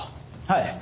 はい。